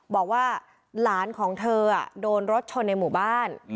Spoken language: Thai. บอกว่าหลานของเธอโดนรถชนในหมู่บ้าน